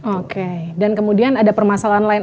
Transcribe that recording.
oke dan kemudian ada permasalahan lain